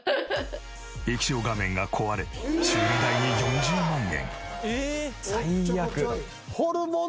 液晶画面が壊れ修理代に４０万円。